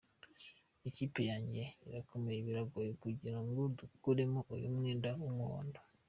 Ikipe yanjye irakomeye biragoye kugira ngo dukuremo uyu mwenda w’umuhondo.